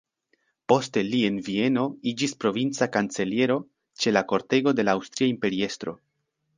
Poste li en Vieno iĝis provinca kanceliero ĉe la kortego de la aŭstria imperiestro.